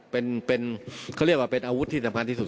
เป็นเขาเรียกว่าเป็นอาวุธที่สำคัญที่สุด